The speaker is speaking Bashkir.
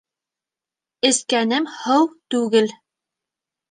Эскәнем һыу түгел.